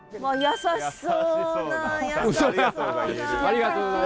優しそうな。